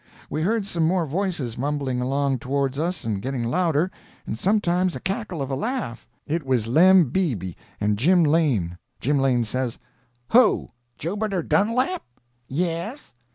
We heard some more voices mumbling along towards us and getting louder, and sometimes a cackle of a laugh. It was Lem Beebe and Jim Lane. Jim Lane says: "Who?—Jubiter Dunlap?" "Yes."